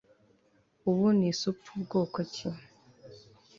Ubu ni isupu bwoko ki